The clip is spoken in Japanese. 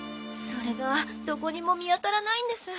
それがどこにも見当たらないんです。